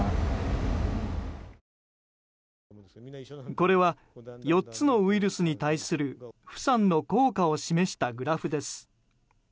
これは４つのウイルスに対するフサンの効果を示したグラフです。